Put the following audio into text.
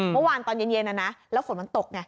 เมื่อวานตอนเย็นนะนะแล้วฝนมันตกไง